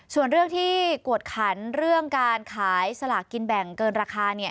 ส่วนเรื่องที่กวดขันเรื่องการขายสลากกินแบ่งเกินราคา